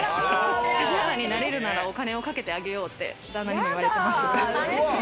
指原になれるならお金をかけてあげようって旦那にも言われました。